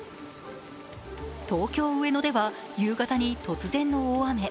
東京・上野では夕方に突然の大雨。